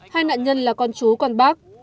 hai nạn nhân là con chú con bác